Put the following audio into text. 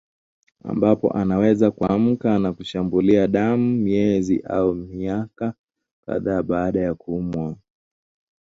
Ambapo anaweza kuamka na kushambulia damu miezi au miaka kadhaa baada ya kuumwa